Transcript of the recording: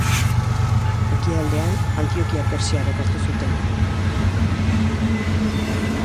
Ekialdean, Antiokia pertsiarrek hartu zuten.